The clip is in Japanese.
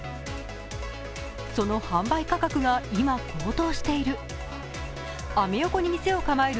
その販売価格が今、高騰している。